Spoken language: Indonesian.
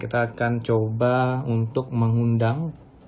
dan coba untuk mengundang